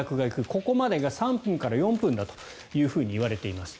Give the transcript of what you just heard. ここまでが３分から４分だといわれています。